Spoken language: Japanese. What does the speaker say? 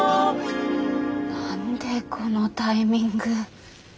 何でこのタイミング。